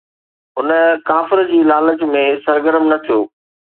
هن ڪافر جي لالچ ۾ سرگرم نه ٿيو